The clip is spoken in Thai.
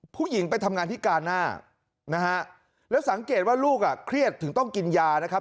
ผู้หญิงไปทำงานที่กาหน้านะฮะแล้วสังเกตว่าลูกอ่ะเครียดถึงต้องกินยานะครับ